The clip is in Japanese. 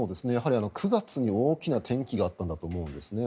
９月に大きな転機があったんだと思うんですね。